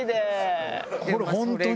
これ、本当に。